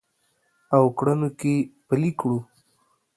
او کړنو کې پلي کړو